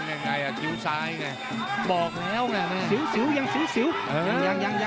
ต้องออกครับอาวุธต้องขยันด้วย